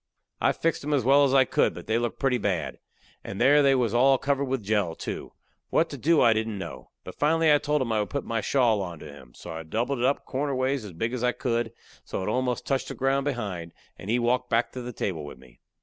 I fixed 'em as well as I could, but they looked pretty bad, and there they was all covered with jell, too. What to do I didn't know. But finally I told him I would put my shawl onto him. So I doubled it up corner ways as big as I could, so it almost touched the ground behind, and he walked back to the table with me.